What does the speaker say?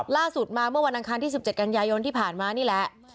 ล่าสุดมาเมื่อวันอังคารที่๑๗กันยายนที่ผ่านมานี่แหละ